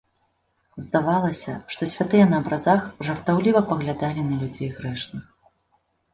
Здавалася, што святыя на абразах жартаўліва паглядалі на людзей грэшных.